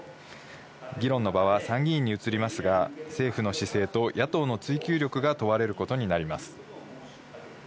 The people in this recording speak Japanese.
議論の場は参議院に移りますが、政府の姿勢と野党の追及力が問われることになります。